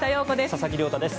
佐々木亮太です。